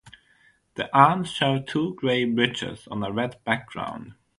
The arms show two grey bridges on a red background.